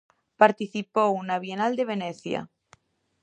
Participou na Bienal de Venecia.